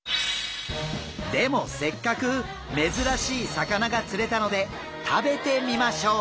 でもせっかく珍しい魚が釣れたので食べてみましょう。